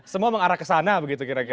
semua mengarah kesana begitu kira kira